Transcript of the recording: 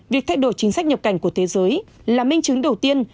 việc thay đổi chính sách nhập cảnh của thế giới là minh chứng đầu tiên